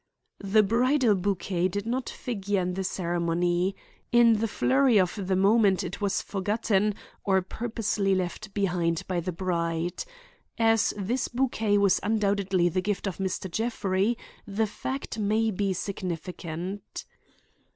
The bridal bouquet did not figure in the ceremony. In the flurry of the moment it was forgotten or purposely left behind by the bride. As this bouquet was undoubtedly the gift of Mr. Jeffrey, the fact may be significant.